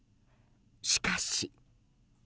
しかし。